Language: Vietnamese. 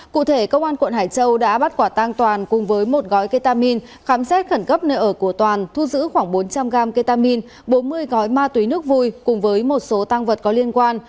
cụ thể công an quận hải châu đã bắt quả tang toàn cùng với một gói ketamin khám xét khẩn cấp nơi ở của toàn thu giữ khoảng bốn trăm linh gram ketamin bốn mươi gói ma túy nước vui cùng với một số tăng vật có liên quan